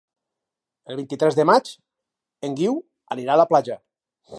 El vint-i-tres de maig en Guiu anirà a la platja.